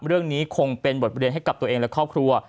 เรื่องนี้คงเป็นบทเรียนให้กับตัวเองและครอบครัว